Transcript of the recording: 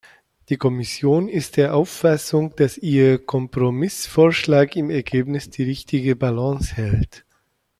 Die Kommission ist der Auffassung, dass ihr Kompromissvorschlag im Ergebnis die richtige Balance hält.